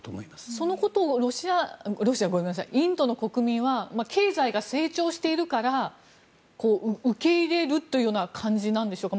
そのことをインドの国民は経済が成長しているから受け入れるという感じなんでしょうか。